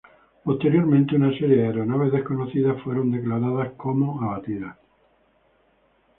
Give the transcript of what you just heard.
Posteriormente, una serie de aeronaves desconocidas fueron declaradas como abatidas.